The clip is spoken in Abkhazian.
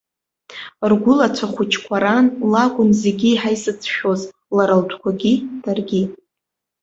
Ргәылацәа хәыҷқәа ран лакәын зегьы еиҳа изыцәшәоз, лара лтәқәагьы, даргьы.